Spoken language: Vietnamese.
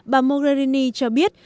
bà mogherini cho biết